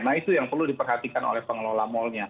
nah itu yang perlu diperhatikan oleh pengelola malnya